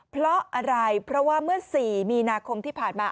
เพราะอะไรเพราะว่าเมื่อ๔มีนาคมที่ผ่านมา